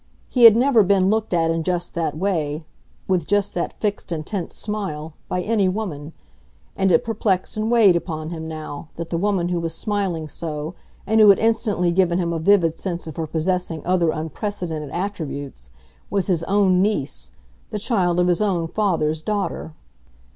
He had never been looked at in just that way—with just that fixed, intense smile—by any woman; and it perplexed and weighed upon him, now, that the woman who was smiling so and who had instantly given him a vivid sense of her possessing other unprecedented attributes, was his own niece, the child of his own father's daughter.